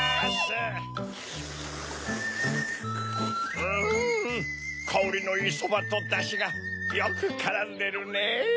うんかおりのいいソバとダシがよくからんでるねぇ。